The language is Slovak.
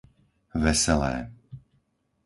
Veselé